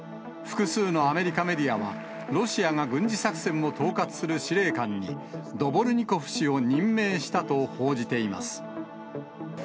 複数のアメリカメディアは、ロシアが軍事作戦を統括する司令官に、ドボルニコフ氏を任命したと報じています。